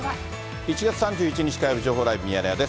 １月３１日火曜日、情報ライブミヤネ屋です。